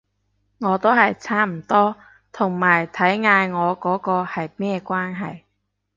我都係差唔多，同埋睇嗌我嗰個係咩關係